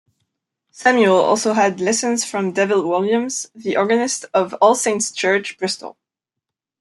Samuel also had lessons from David Williams, the organist of All Saints' Church, Bristol.